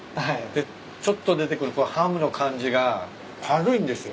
でちょっと出てくるハムの感じが軽いんですよ。